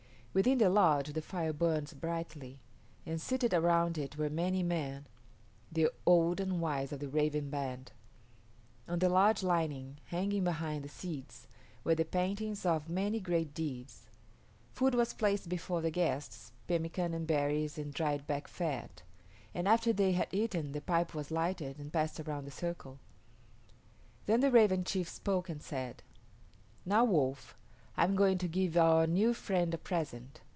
Within the lodge the fire burned brightly, and seated around it were many men, the old and wise of the Raven band. On the lodge lining, hanging behind the seats, were the paintings of many great deeds. Food was placed before the guests pemican and berries and dried back fat and after they had eaten the pipe was lighted and passed around the circle. Then the Raven chief spoke and said, "Now, Wolf, I am going to give our new friend a present.